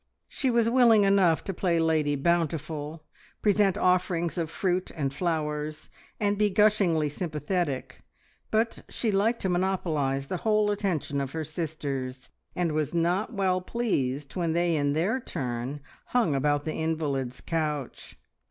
She was willing enough to play Lady Bountiful, present offerings of fruit and flowers, and be gushingly sympathetic, but she liked to monopolise the whole attention of her sisters, and was not well pleased when they in their turn hung about the invalid's couch.